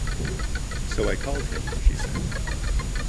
"So I called him", she said.